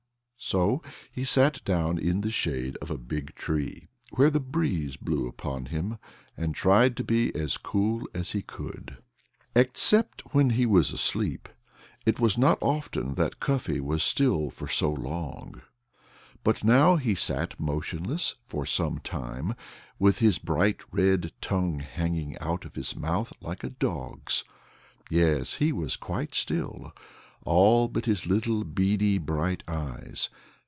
So he sat down in the shade of a big tree, where the breeze blew upon him, and tried to be as cool as he could. Except when he was asleep it was not often that Cuffy was still for so long. But now he sat motionless for some time, with his bright red tongue hanging out of his mouth like a dog's. Yes, he was quite still all but his little, beady, bright eyes.